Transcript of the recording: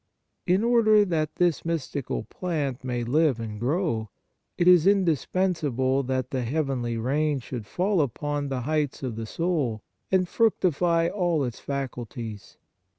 In order that this mystical plant may live and grow, it is indispensable that the heavenly rain should fall upon the heights of the soul and fructify all its faculties.